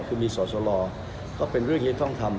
คือมีสอสลก็เป็นเรื่องที่จะต้องทำ